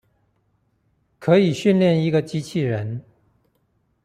可以訓練一個機器人